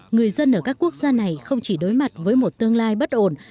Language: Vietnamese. người dân ở các quốc gia này không chỉ đối mặt với một tương lai bất ổn